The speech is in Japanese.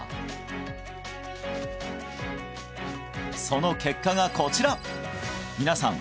その結果がこちら皆さん